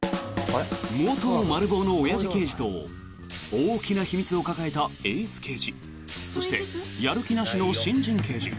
元マル暴のおやじ刑事と大きな秘密を抱えたエース刑事そして、やる気なしの新人刑事。